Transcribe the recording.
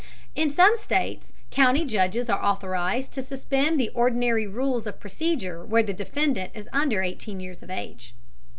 In some states county judges are authorized to suspend the ordinary rules of procedure where the defendant is under eighteen years of age.